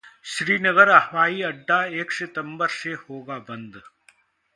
श्रीनगर हवाईअड्डा एक सितंबर से होगा बंद